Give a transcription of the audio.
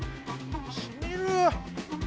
しみる！